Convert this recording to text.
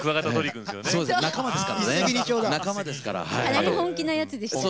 かなり本気なやつでしたね。